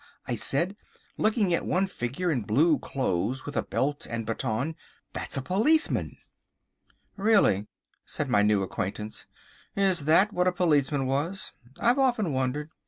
I said looking at one figure in blue clothes with a belt and baton, "that's a policeman!" "Really," said my new acquaintance, "is that what a policeman was? I've often wondered.